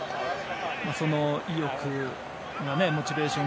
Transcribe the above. その意欲、モチベーション